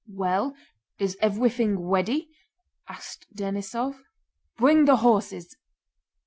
"Well, is ev'wything weady?" asked Denísov. "Bwing the horses."